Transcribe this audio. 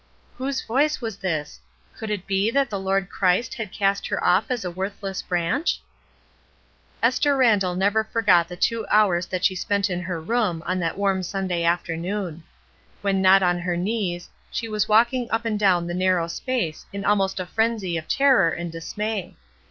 Whose voice was this? Could it be that the Lord Christ had cast her off as a worthless branch? 226 ESTER RIED'S NAMESAKE Esther Randall never forgot the two hours that she spent in her room on that warm Sun day afternoon. When not on her knees, she was walking up and down the narrow space in almost a frenzy of terror and dismay.